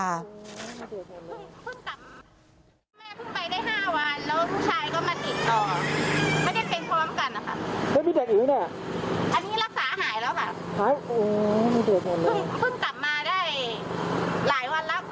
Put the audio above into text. ไม่เจอกันเลย